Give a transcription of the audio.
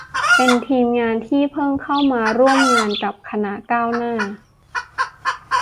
เป็นทีมงานที่เพิ่งเข้ามาร่วมงานกับคณะก้าวหน้า